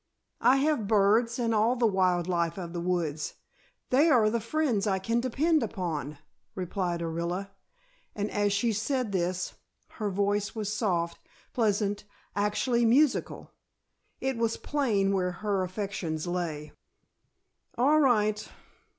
"I have birds and all the wild life of the woods. They are the friends I can depend upon," replied Orilla. And as she said this her voice was soft, pleasant, actually musical. It was plain where her affections lay. "All right.